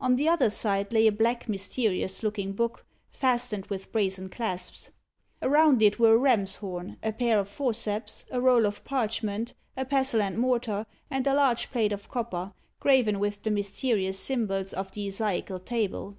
On the other side lay a black, mysterious looking book, fastened with brazen clasps. Around it were a ram's horn, a pair of forceps, a roll of parchment, a pestle and mortar, and a large plate of copper, graven with the mysterious symbols of the Isaical table.